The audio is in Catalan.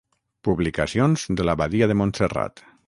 Publicacions de l'Abadia de Montserrat.